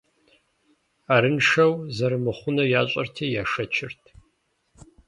Арыншэу зэрымыхъунур ящӏэрти яшэчырт.